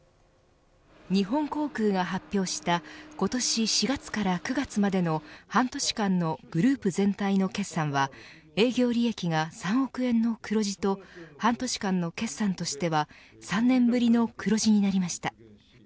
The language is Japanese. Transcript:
日本航空が発表した今年４月から９月までの半年間のグループ全体の決算は営業利益が３億円の黒字と半年間の決算としては３年ぶりの黒字になりました。